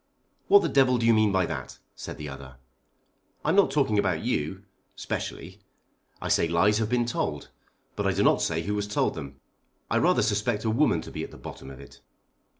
"What the devil do you mean by that?" said the other. "I'm not talking about you, specially. I say lies have been told; but I do not say who has told them. I rather suspect a woman to be at the bottom of it."